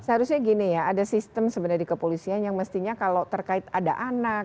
seharusnya gini ya ada sistem sebenarnya di kepolisian yang mestinya kalau terkait ada anak